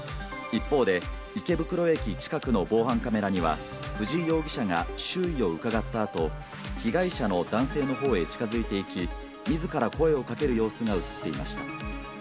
一方で、池袋駅近くの防犯カメラには、藤井容疑者が周囲をうかがったあと、被害者の男性のほうへ近づいていき、みずから声をかける様子が写っていました。